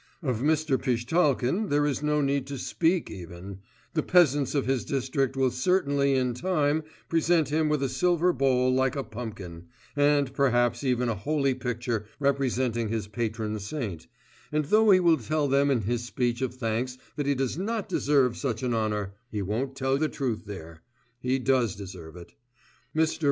Of Mr. Pishtchalkin there is no need to speak even; the peasants of his district will certainly in time present him with a silver bowl like a pumpkin, and perhaps even a holy picture representing his patron saint, and though he will tell them in his speech of thanks that he does not deserve such an honour, he won't tell the truth there; he does deserve it. Mr.